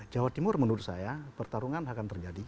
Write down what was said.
jawa timur menurut saya pertarungan akan terjadi